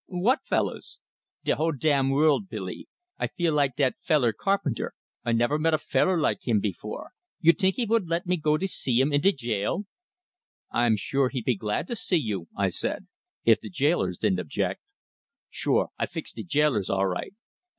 "What fellows?" "De whole damn vorld! Billy, I like dat feller Carpenter! I never met a feller like him before. You tink he vould let me go to see him in de jail?" "I'm sure he'd be glad to see you," I said; "if the jailers didn't object." "Sure, I fix de jailers all right!"